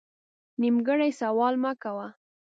نیمګړی سوال مه کوه